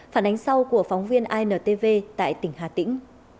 phản ánh sau của phóng viên intv tại tỉnh hà tĩnh